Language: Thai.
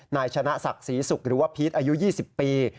นายชนะศักดิ์ศรีศุกร์หรือว่าพีชอายุ๒๐ปี